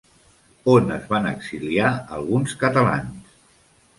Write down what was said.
On es van exiliar alguns catalans?